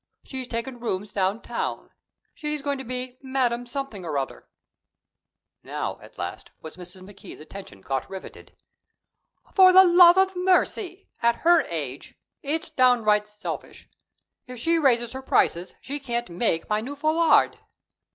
She's taken rooms downtown; she's going to be Madame Something or other." Now, at last, was Mrs. McKee's attention caught riveted. "For the love of mercy! At her age! It's downright selfish. If she raises her prices she can't make my new foulard."